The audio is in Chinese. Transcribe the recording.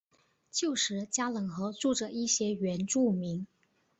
旧时加冷河住着一些原住民。